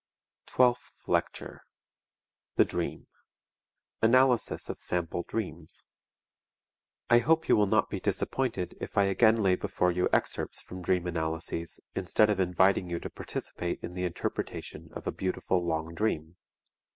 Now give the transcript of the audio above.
TWELFTH LECTURE THE DREAM Analysis of Sample Dreams I hope you will not be disappointed if I again lay before you excerpts from dream analyses instead of inviting you to participate in the interpretation of a beautiful long dream.